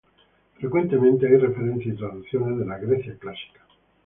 Frecuentemente hay referencias y traducciones de la Grecia Clásica.